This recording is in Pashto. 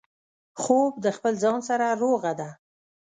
خوب د خپل ځان سره روغه ده